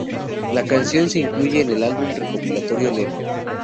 La canción se incluye en el álbum recopilatorio "Lennon".